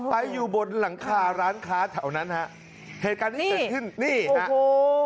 ไปอยู่บนหลังคาร้านค้าแถวนั้นฮะเหตุการณ์ที่เกิดขึ้นนี่ฮะโอ้